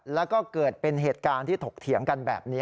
แล้วก็เกิดเป็นเหตุการณ์ที่ถกเถียงกันแบบนี้